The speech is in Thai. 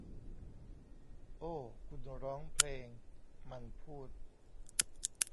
โอ้ คุณร้องเพลง มันพูด